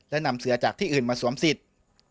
และนำเสือจากที่อื่นมาสวมสิทธิ์